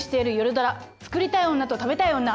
ドラ「作りたい女と食べたい女」。